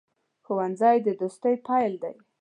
ښوونځی د دوستۍ پیل دی